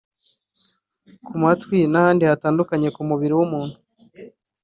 ku matwi n’ahandi hatandukanye ku mubiri w’umuntu